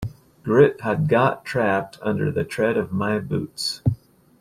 Grit had got trapped under the tread of my boots.